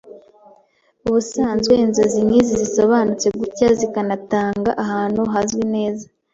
Ubusanzwe inzozi nk’izi zisobanutse gutya zikanatanga ahantu hazwi neza